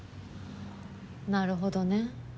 なるほどね。